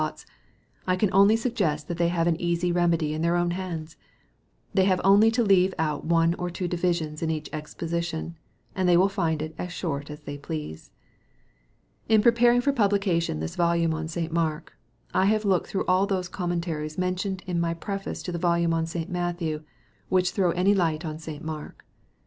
V Thoughts, I can oiJy suggest that they hare an easy reme dy in their own hands. They have only to leave out one or two divisions in each exposition, and they will find it as short as they please. In preparing for publication this volume on St. Mark, I have looked through all those Commentaries mentioned in my preface to the volume on St. Matthew, which* throw any light on St. Mark.